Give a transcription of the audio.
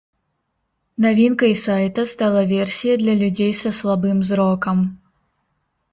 Навінкай сайта стала версія для людзей са слабым зрокам.